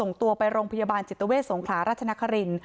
ส่งตัวไปโรงพยาบาลจิตเวทสงขลาราชนคริน